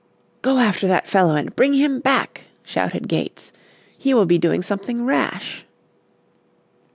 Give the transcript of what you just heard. "Go after that fellow and bring him back," shouted Gates; "he will be doing something rash."